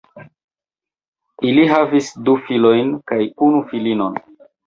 Ili havis du filojn kaj unu filinon.